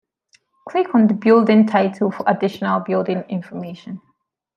Click on the building title for additional building information.